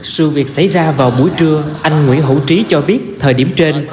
sự việc xảy ra vào buổi trưa anh nguyễn hữu trí cho biết thời điểm trên